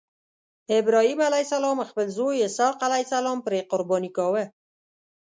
ابراهیم علیه السلام خپل زوی اسحق علیه السلام پرې قرباني کاوه.